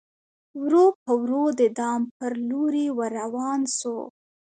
ورو په ورو د دام پر لوري ور روان سو